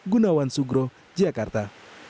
gunawan sugro jakarta